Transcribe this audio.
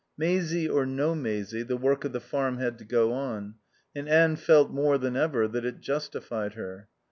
Maisie or no Maisie, the work of the farm had to go on; and Anne felt more than ever that it justified her.